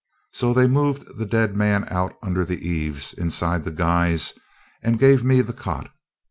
So they moved the dead man out under the eaves inside the guys, and gave me the cot.